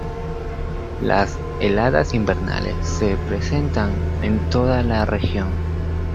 Las heladas invernales se presentan en toda la región.